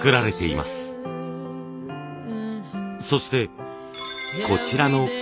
そしてこちらの籠。